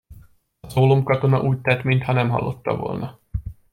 Az ólomkatona úgy tett, mintha nem hallotta volna.